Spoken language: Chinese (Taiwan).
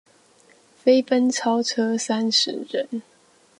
飛奔超車三十人